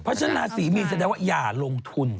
พัฒนาศรีมีนแสดงว่าอย่าลงทุน